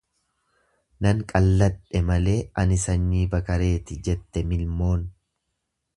Nan qalladhe malee ani sanyii bakareeti jette milmoon.